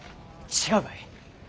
違うばい。